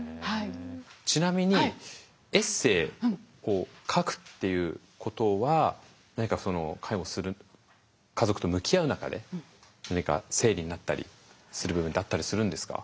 ちなみにエッセーを書くっていうことは何かその介護する家族と向き合う中で何か整理になったりする部分ってあったりするんですか？